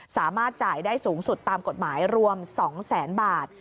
สามารถจ่ายได้สูงสุดตามกฎหมายรวม๒แสนบาท